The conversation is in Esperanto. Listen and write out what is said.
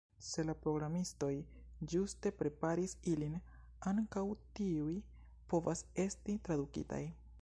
Se la programistoj ĝuste preparis ilin, ankaŭ tiuj povas esti tradukitaj.